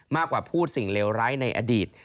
มากกว่าพูดสิ่งเลวร้ายในอดีต